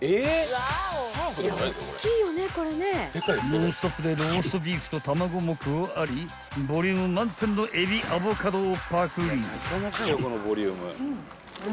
［ノンストップでローストビーフと卵も加わりボリューム満点のえびアボカドをぱくり］